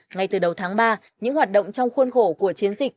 ngay từ đầu tháng ba những hoạt động trong khuôn khổ của chiến dịch